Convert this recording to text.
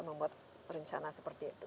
membuat rencana seperti itu